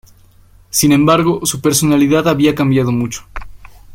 Sin embargo, su personalidad había cambiado mucho.